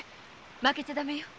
負けちゃだめよ。